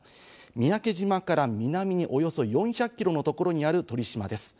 三宅島から南におよそ４００キロのところにある鳥島です。